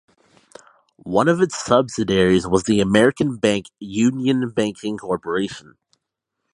One of its subsidiaries was the American bank Union Banking Corporation.